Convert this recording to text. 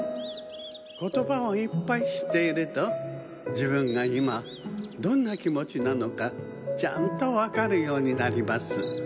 ことばをいっぱいしっているとじぶんがいまどんなきもちなのかちゃんとわかるようになります。